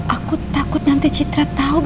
aku takut nanti citra tahu